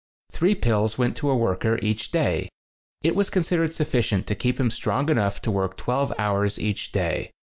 Three pills went to a worker each day. It was con sidered sufficient to keep him strong enough to work twelve hours each day.